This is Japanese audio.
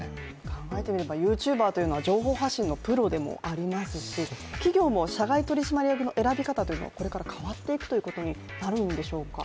考えてみればＹｏｕＴｕｂｅｒといえば情報発信のプロでもありますし企業も社外取締役の選び方というのがこれから変わっていくということになるんでしょうか。